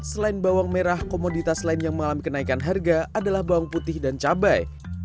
selain bawang merah komoditas lain yang mengalami kenaikan harga adalah bawang putih dan cabai